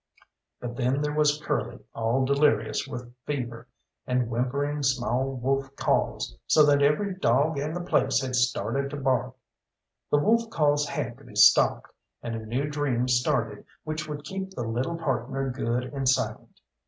But then there was Curly all delirious with fever, and whimpering small wolf calls, so that every dog in the place had started to bark. The wolf calls had to be stopped, and a new dream started which would keep the little partner good and silent.